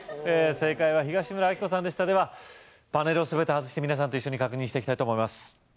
正解は東村アキコさんでしたではパネルをすべて外して皆さんと一緒に確認してきたいと思います